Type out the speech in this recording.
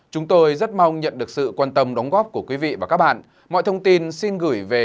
chúng tôi rất mong nhận được sự quan tâm đóng góp của quý vị và các bạn mọi thông tin xin gửi về